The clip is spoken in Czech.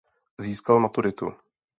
Získal maturitu.